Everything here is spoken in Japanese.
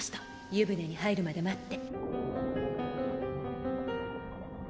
湯船に入るまで待って。